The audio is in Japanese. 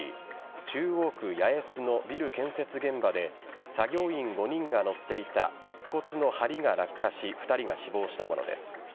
中央区八重洲のビル建設現場で作業員５人が乗っていた鉄骨の梁が落下し２人が死亡したものです。